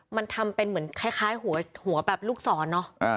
มันทำเป็นเหมือนคล้ายหัวแบบลูกศรเนอะ